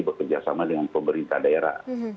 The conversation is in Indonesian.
berkerjasama dengan pemerintah daerah